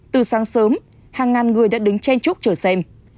từ sáng sớm hàng ngàn người đã đứng chen chúc chờ xem